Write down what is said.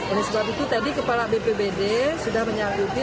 oleh sebab itu tadi kepala bpbd sudah menyanggupi